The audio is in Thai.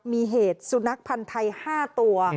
มีเหตุสุนัขพันธ์ไทย๕ตัว